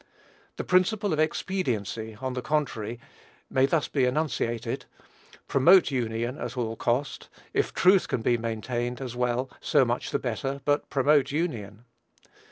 The principle of expediency, on the contrary, may be thus enunciated: "Promote union at all cost; if truth can be maintained as well, so much the better; but promote union."